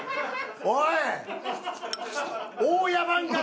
おい！